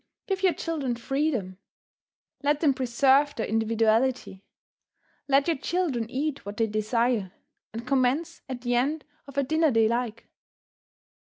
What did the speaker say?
Give your children freedom; let them preserve their individuality. Let your children eat what they desire, and commence at the end of a dinner they like.